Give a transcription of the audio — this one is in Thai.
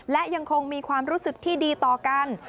และยังคงมีความรู้สึกที่ดีต่อกัน